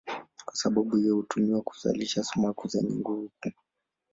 Kwa sababu hiyo hutumiwa kuzalisha sumaku zenye nguvu kuu.